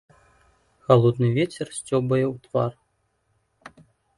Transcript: Халодны вецер сцёбае ў твар.